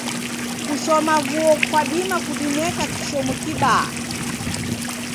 Kushoma vuo kwadima kudineka kishomo kibaa.